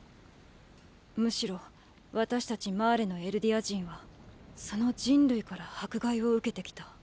むしろ私たちマーレのエルディア人はその「人類」から迫害を受けてきた。